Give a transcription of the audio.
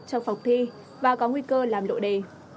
trong phòng thi và có nguy cơ làm lộ đề